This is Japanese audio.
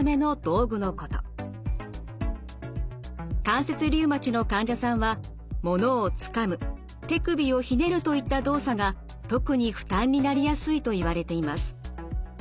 関節リウマチの患者さんは物をつかむ・手首をひねるといった動作が特に負担になりやすいといわれています。